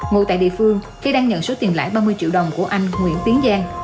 ngồi tại địa phương khi đang nhận số tiền lãi ba mươi triệu đồng của anh nguyễn tiến giang